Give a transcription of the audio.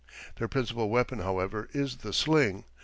Their principal weapon, however, is the sling